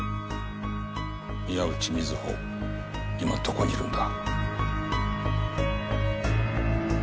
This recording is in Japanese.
宮内美津保今どこにいるんだ？